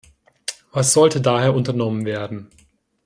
Was sollte daher unternommen werden?